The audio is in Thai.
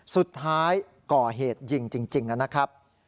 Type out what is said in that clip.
สุดท้ายก่อเหตุยิงจริงนะครับ